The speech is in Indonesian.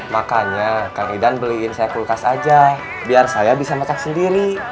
makanya kang idan beliin saya kulkas aja biar saya bisa masak sendiri